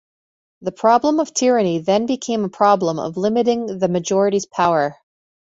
The problem of tyranny then became a problem of limiting the a majority's power.